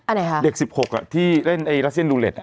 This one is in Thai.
ไหนคะเด็ก๑๖อ่ะที่เล่นไอรัสเซียนดูเล็ต